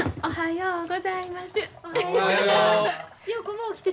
おはよう。